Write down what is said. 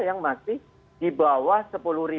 yang masih di bawah